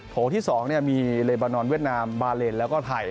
โถที่๒มีเลบานอนเวียดนามบาเลนแล้วก็ไทย